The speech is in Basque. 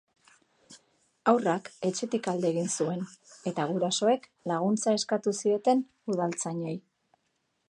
Haurrak etxetik alde egin zuen, eta gurasoek laguntza eskatu zieten udaltzainei.